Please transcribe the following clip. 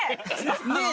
ねえ。